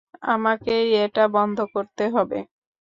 আমাকেই এটা বন্ধ করতে হবে।